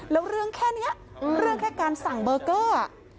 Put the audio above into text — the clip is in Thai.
แล้วเรื่องแค่นี้เรื่องแค่การสั่งเบอร์เกอร์